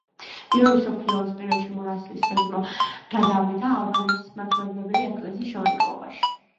მეორე მსოფლიო ომის პერიოდში მონასტრის საძმო გადავიდა ალბანეთის მართლმადიდებელი ეკლესიის შემადგენლობაში.